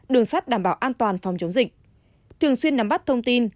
đường sắt đảm bảo an toàn phòng chống dịch thường xuyên nắm bắt thông tin